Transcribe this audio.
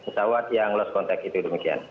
pesawat yang lost contact itu demikian